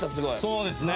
そうですね。